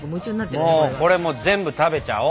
もうこれ全部食べちゃお！